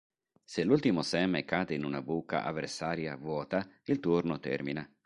Se l'ultimo seme cade in una buca avversaria vuota, il turno termina.